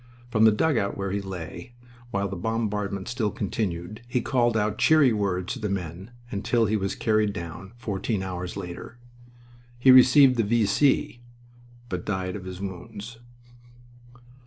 From the dug out where he lay while the bombardment still continued he called out cheery words to the men, until he was carried down, fourteen hours later. He received the V. C., but died of his wounds.